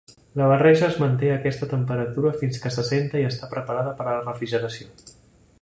La barreja es manté a aquesta temperatura fins que s'assenta i està preparada per a la refrigeració.